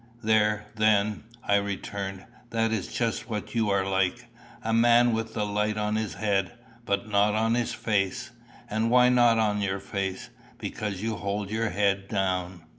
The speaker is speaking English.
"There, then," I returned, "that is just what you are like a man with the light on his head, but not on his face. And why not on your face? Because you hold your head down."